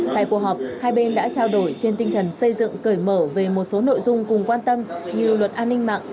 tại cuộc họp hai bên đã trao đổi trên tinh thần xây dựng cởi mở về một số nội dung cùng quan tâm như luật an ninh mạng